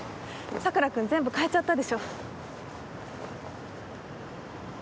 佐倉君、全部変えちゃったでしょ。